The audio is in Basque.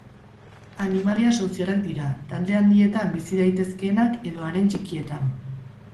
Animalia sozialak dira, talde handietan bizi daitezkeenak edo haren txikietan.